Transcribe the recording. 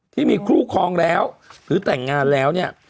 ที่มีคู่ครองแล้วหรือแต่งงานแล้วเนี่ย